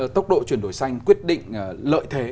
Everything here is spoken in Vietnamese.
tốc độ chuyển đổi xanh quyết định lợi thế